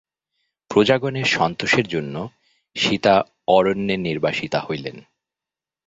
প্রজাগণের সন্তোষের জন্য সীতা অরণ্যে নির্বাসিতা হইলেন।